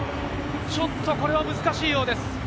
ちょっとこれは難しいようです。